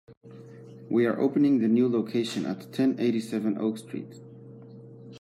We are opening the a new location at ten eighty-seven Oak Street.